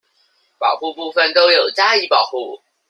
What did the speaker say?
保護部分都有加以保護